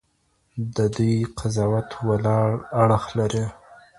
د دوی قضاوت ولاړ اړخ لري.